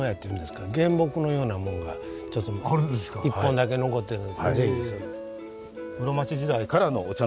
１本だけ残ってるので是非。